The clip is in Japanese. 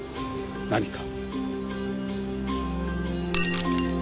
何か？